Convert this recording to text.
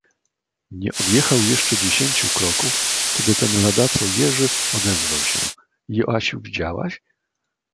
"Nie odjechał jeszcze dziesięciu kroków, kiedy ten ladaco Jerzy, odezwał się: Joasiu, widziałaś?"